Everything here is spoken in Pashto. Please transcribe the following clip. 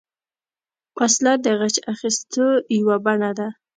وسله د غچ اخیستو یوه بڼه ده